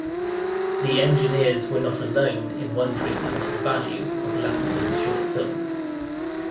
The engineers were not alone in wondering about the value of Lasseter's short films.